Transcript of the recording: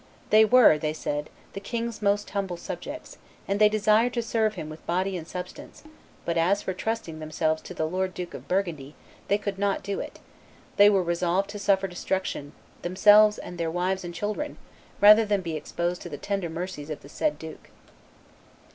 "They were," they said, "the king's most humble subjects, and they desired to serve him with body and substance; but as for trusting themselves to the lord Duke of Burgundy, they could not do it; they were resolved to suffer destruction, themselves and their wives and children, rather than be exposed to the tender mercies of the said duke."